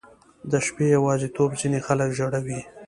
• د شپې یواځیتوب ځینې خلک ژړوي.